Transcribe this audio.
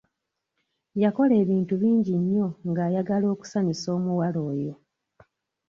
Yakola ebintu bingi nnyo ng'ayagala okusanyusa omuwala oyo.